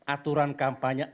aturan kampanye ansih